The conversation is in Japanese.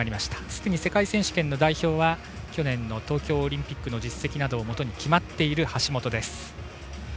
すでに世界選手権の代表は去年の東京オリンピックの実績などをもとに決まっている橋本です。